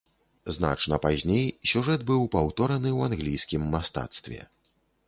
Значна пазней сюжэт быў паўтораны ў англійскім мастацтве.